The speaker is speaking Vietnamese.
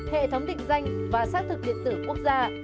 hệ thống định danh và xác thực điện tử quốc gia